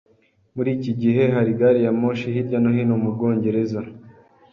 Muri iki gihe hari gari ya moshi hirya no hino mu Bwongereza.